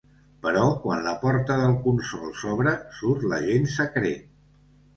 Però quan la porta del consol s’obre, surt l’agent secret.